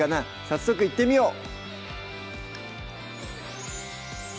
早速いってみよう！